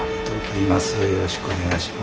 よろしくお願いします。